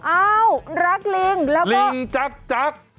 อ้าวรักลิงแล้วก็จักร